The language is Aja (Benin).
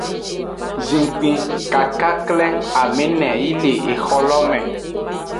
Zhinkpin kakakle amene yi le exo lo me.